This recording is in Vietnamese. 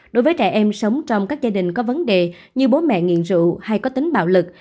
đối với trẻ em sống trong các gia đình có vấn đề như bố mẹ nghiện rượu hay có tính bạo lực